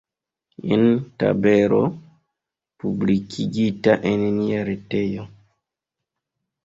Jen tabelo, publikigita en nia retejo.